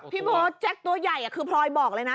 พี่เบิร์ตแจ็คตัวใหญ่คือพลอยบอกเลยนะ